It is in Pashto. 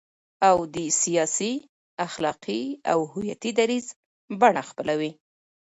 او د سیاسي، اخلاقي او هویتي دریځ بڼه خپلوي،